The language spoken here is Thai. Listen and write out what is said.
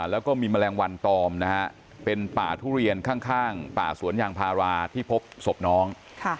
แล้วก็มีแมลงวันตอมนะฮะเป็นป่าทุเรียนข้างป่าสวนยางพาราที่พบศพน้อง